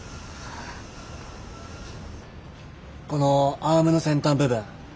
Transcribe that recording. このアームの先端部分。